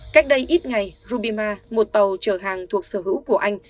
cách đây ít ngày rubima một tàu chở hàng thuộc sở hữu của anh